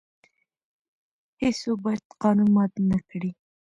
هیڅوک باید قانون مات نه کړي.